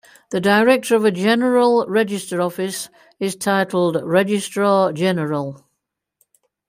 The director of a General Register Office is titled Registrar General.